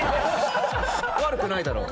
悪くないだろう。